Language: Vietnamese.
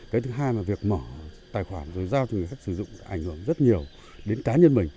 cái thứ hai là việc mở tài khoản rồi giao cho người khách sử dụng ảnh hưởng rất nhiều đến cá nhân mình